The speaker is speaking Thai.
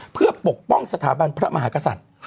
เพื่อปกป้องสถาบันพระมหากษัตริย์